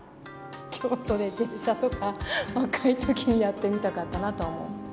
京都で芸者とか、若いときにやってみたかったなと思う。